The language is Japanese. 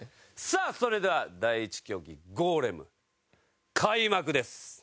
さあそれでは第１競技ゴーレム開幕です。